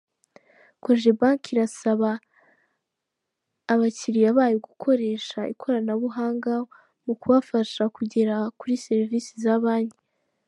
Cogebanque irasaba abakiriya bayo gukoresha ikoranabuhanga mu kubafasha kugera kuri serivisi za banki.